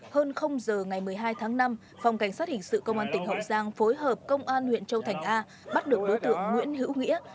hơn giờ ngày một mươi hai tháng năm phòng cảnh sát hình sự công an tỉnh hậu giang phối hợp công an huyện châu thành a bắt được đối tượng nguyễn hữu nghĩa